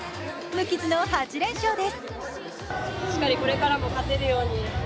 無傷の８連勝です。